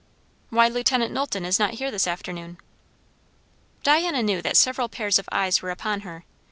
"Why Lieutenant Knowlton is not here this afternoon?" Diana knew that several pairs of eyes were upon her.